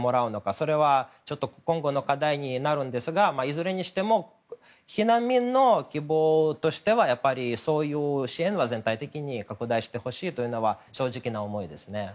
それは今後の課題になるんですがいずれにしても避難民の希望としてはそういう支援は、全体的に拡大してほしいというのが正直な思いですね。